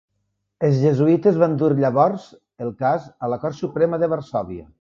Els jesuïtes van dur, llavors, el cas a la Cort Suprema de Varsòvia.